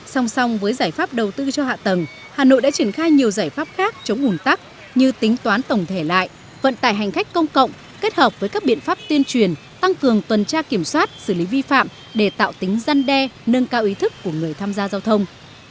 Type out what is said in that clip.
song song với giải pháp đầu tư cho hạ tầng hà nội đã triển khai nhiều giải pháp khác chống ủn tắc như tính toán tổng thể lại vận tải hành khách công cộng kết hợp với các biện pháp tuyên truyền tăng cường tuần tra kiểm soát xử lý vi phạm để tạo tính dân đe nâng cao ý thức của người tham gia giao thông